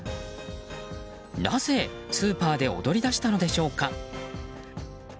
なぜ、スーパーで踊り出したのでしょうか。